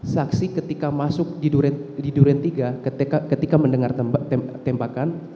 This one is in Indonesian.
saksi ketika masuk di duren tiga ketika mendengar tembakan